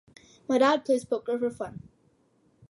My dad plays Poker for fun.